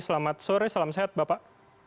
selamat sore salam sehat bapak